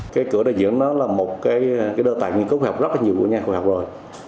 cái cửa đà diễn đó là một cái đơ tài nghiên cứu học rất là nhiều của nhà khu học rồi